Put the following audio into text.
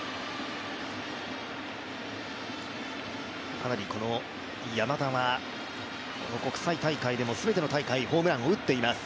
かなり山田は国際大会でも全ての大会、ホームランを打っています。